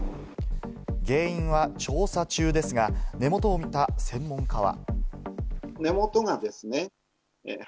原因は調査中ですが、根元を見た専門家は。